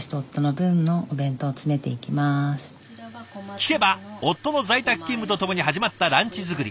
聞けば夫の在宅勤務とともに始まったランチ作り。